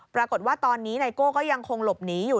ปรากฏว่าตอนนี้ไนโก้ก็ยังคงหลบหนีอยู่